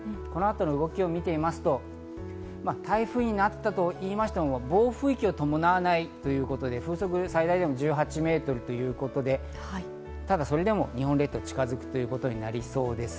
この後の動きを見てみますと、台風になったといいましても、暴風域を伴わないということで風速、最大でも１８メートルということで、ただそれでも日本列島に近づくということになりそうです。